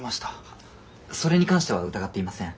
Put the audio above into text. それに関しては疑っていません。